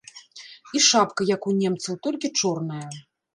І шапка як у немцаў, толькі чорная.